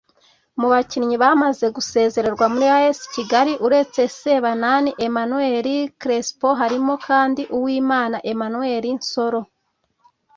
Mu bakinnyi bamaze gusezererwa muri As Kigali uretse Sebanani Emmanuel Crespo harimo kandi Uwimana Emmanuel Nsoro